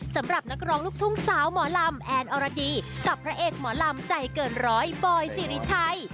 สำหรับนักร้องลูกทุ่งสาวหมอลำแอนอรดีกับพระเอกหมอลำใจเกินร้อยบอยสิริชัย